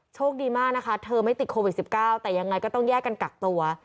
โชคดีมากนะคะเธอไม่ติดโควิด๑๙แต่ยังไงก็ต้องแยกกันกักตัว